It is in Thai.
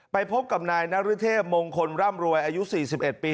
ไปพบกับนายนรเทพมงคลร่ำรวยอายุสี่สิบเอ็ดปี